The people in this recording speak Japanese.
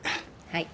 はい。